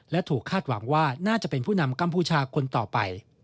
และถูกคาดหวังว่าน่าจะเป็นผู้นำกัมพูชาคนต่อไป